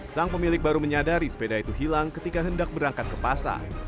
sang pemilik baru menyadari sepeda itu hilang ketika hendak berangkat ke pasar